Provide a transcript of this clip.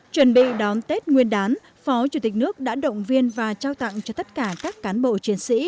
chuẩn bị đón tết nguyên đán phó chủ tịch nước đã động viên và trao tặng cho tất cả các cán bộ chiến sĩ